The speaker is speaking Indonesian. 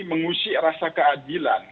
mengusik rasa keadilan